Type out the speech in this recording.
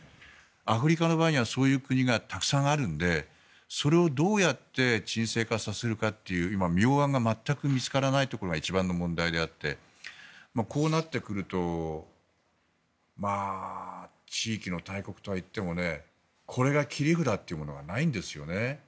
アフリカの場合はそういう国がたくさんあるのでそれをどうやって沈静化させるかという今、妙案が全く見つからないのが一番の問題であってこうなってくると地域の大国とはいってもこれが切り札というものがないんですよね。